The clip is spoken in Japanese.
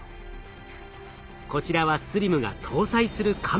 こちらはＳＬＩＭが搭載するカメラです。